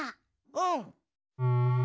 うん。